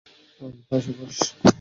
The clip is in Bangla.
আয়, পাশে বস।